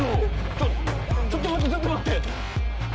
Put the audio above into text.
ちょちょっと待ってちょっと待って！